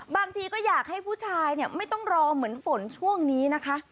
บางทีก็อยากให้ผู้ชายไม่ต้องรอเหมือนฝนช่วงนี้นะคะ